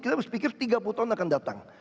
kita harus pikir tiga puluh tahun akan datang